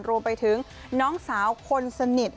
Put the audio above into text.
รวมไปถึงน้องสาวคนสนิท